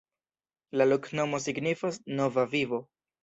La loknomo signifas: Nova Vivo.